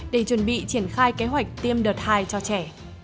để chuẩn bị triển khai kế hoạch tiêm đợt hai cho trẻ